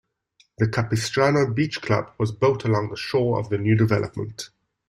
The Capistrano Beach club was built along the shore of the new development.